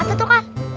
ada itu kak